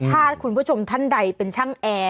ถ้าคุณผู้ชมท่านใดเป็นช่างแอร์